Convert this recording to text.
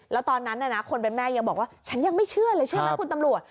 แล้วตอนนั้นคนเป็นแม่ยังบอกว่าฉันยังไม่เชื่อเลยเชื่อไหมคุณตำรวจ